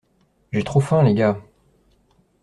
J'ai trop faim les gars.